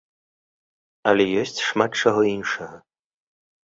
Але ёсць шмат чаго іншага.